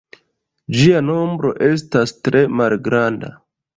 Ĝia nombro estas tre malgranda.